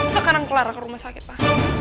sekarang clara ke rumah sakit pa